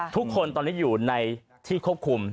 ทุกคนตอนนี้อยู่ในที่ควบคุม